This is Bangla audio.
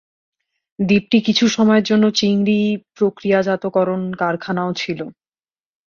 দ্বীপটি কিছু সময়ের জন্য চিংড়ি প্রক্রিয়াজাতকরণ কারখানাও ছিল।